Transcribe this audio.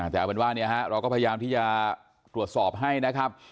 แต่เอาเป็นว่าเราก็พยายามที่จะตรวจสอบให้นะครับ